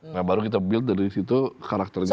nah baru kita build dari situ karakternya